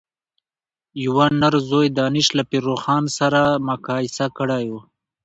یوه نر ځوی دانش له پير روښان سره مقايسه کړی و.